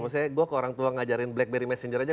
maksudnya gue ke orang tua ngajarin blackberry messenger aja